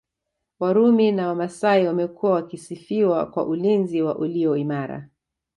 Warumi na Wamasai wamekuwa wakisifiwa kwa ulinzi wao ulio imara